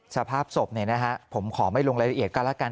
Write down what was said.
สภาพศพเนี้ยนะฮะผมขอไม่ลงรายละเอียดก็แล้วกัน